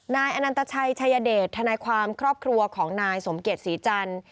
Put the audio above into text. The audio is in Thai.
นายอนันตชัยชัยเดชทนายความครอบครัวของนายสมเกียจศรีจันทร์